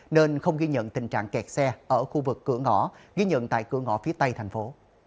nên không ghi nhận tình trạng kẹt xe ở khu vực cửa ngõ ghi nhận tại cửa ngõ phía tây thành phố